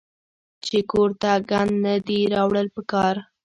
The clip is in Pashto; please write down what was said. چې کور ته ګند نۀ دي راوړل پکار